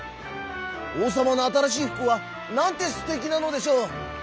「おうさまのあたらしいふくはなんてすてきなのでしょう！」。